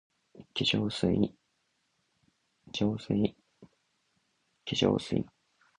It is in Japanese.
化粧水 ｓ